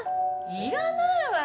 いらないわよ。